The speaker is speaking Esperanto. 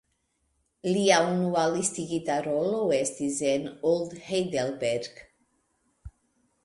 Lia unua listigita rolo estis en "Old Heidelberg".